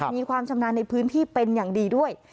มีความชำนาญในพื้นที่เป็นอย่างดีด้วย